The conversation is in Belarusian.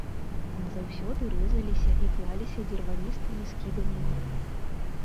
Назаўсёды рэзаліся і клаліся дзірваністымі скібамі межы.